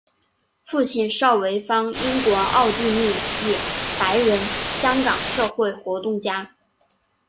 父亲邵维钫英国奥地利裔白人香港社会活动家。